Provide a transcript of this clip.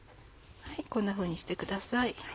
こんなふうにしてください。